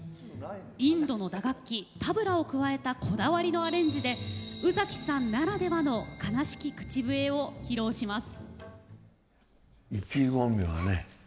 インドの打楽器タブラを加えたこだわりのアレンジで宇崎さんならではの「悲しき口笛」を披露します。